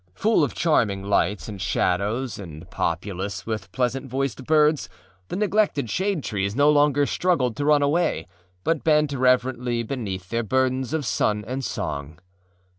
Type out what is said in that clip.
Full of charming lights and shadows and populous with pleasant voiced birds, the neglected shade trees no longer struggled to run away, but bent reverently beneath their burdens of sun and song.